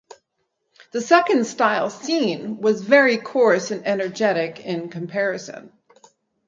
The second style seen was very coarse and energetic in comparison.